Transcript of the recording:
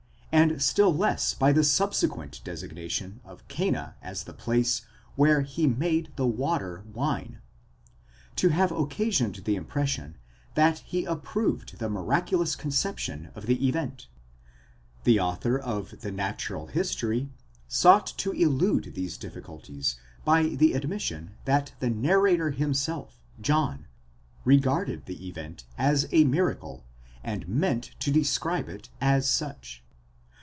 9), and still less by the subsequent designation of Cana as the place where he made the water wine (ὅπου ἐποίησεν ὕδωρ οἶνον), to have occasioned the impression, that he approved the miraculous con ception of the event.2® The author of the Natural History sought to elude these difficulties by the admission, that the narrator himself, John, regarded the event as a miracle, and meant to describe it as such.